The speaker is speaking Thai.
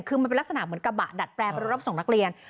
คือมันเป็นลักษณะเหมือนกระบะดัดแปลงเป็นรถรับส่งนักเรียน